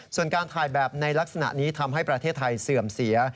ส่วนการถ่ายแบบในลักษณะนี้ทำให้ประเทศไทยเสื่อมเสีย